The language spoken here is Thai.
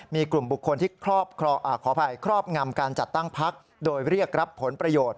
มีกลุ่มบุคคลที่ขออภัยครอบงำการจัดตั้งพักโดยเรียกรับผลประโยชน์